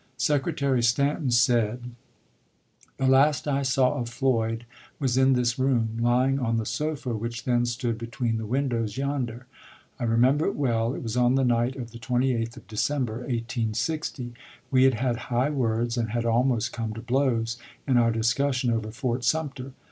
Secretary Stanton said : The last I saw of Floyd was in this room, lying on the sofa which then stood between the windows yonder. I remember it well — it was on the night of the 28th of December, 1860. We had had high words, and had almost come to blows, in our discussion over Fort Sum ter.